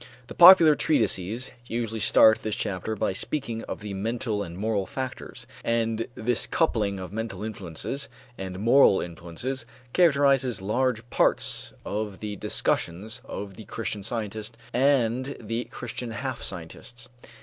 The popular treatises usually start this chapter by speaking of the "mental and moral" factors; and this coupling of mental influences and moral influences characterizes large parts of the discussions of the Christian Scientists and the Christian half scientists.